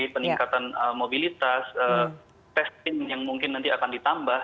peningkatan mobilitas testing yang mungkin nanti akan ditambah